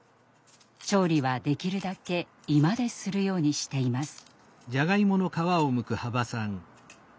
調理はできるだけ居間でするようにしています。